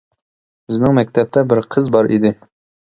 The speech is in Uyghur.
بىزنىڭ مەكتەپتە بىر قىز بار ئىدى.